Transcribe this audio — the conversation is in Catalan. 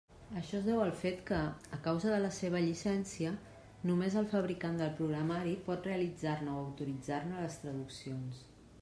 Això es deu al fet que, a causa de la seva llicència, només el fabricant del programari pot realitzar-ne o autoritzar-ne les traduccions.